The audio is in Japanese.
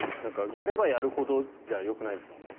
やればやるほどじゃよくないですかね。